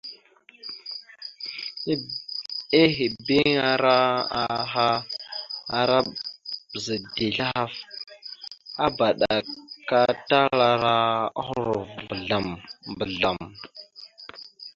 Ehebeŋabara aha ara bəza dezl ahaf, abaɗakatalara ohərov mbəzlam- mbəzlam.